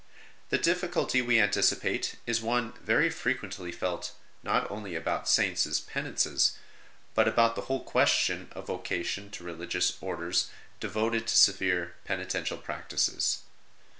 The difficulty we anticipate is one very frequently felt not only about Saints penances, but about the whole question of vocation to religious Orders devoted to severe penitential practices.